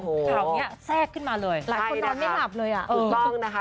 ข่าวนี้แทรกขึ้นมาเลยหลายคนนอนไม่หลับเลยอ่ะถูกต้องนะคะ